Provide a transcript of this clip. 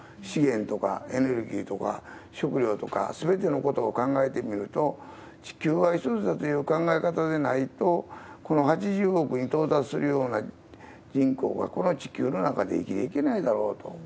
資源とかエネルギーとか食料とか、すべてのことを考えてみると、地球は一つだという考え方じゃないと、この８０億に到達するような人口がこの地球の中で生きていけないだろうと。